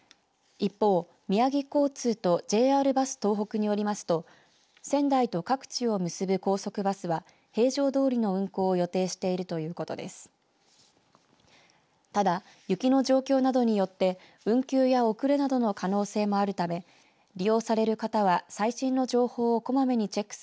一方、宮城交通とＪＲバス東北によりますと仙台と各地を結ぶ高速バスは平常どおりの運行を予定しているということです。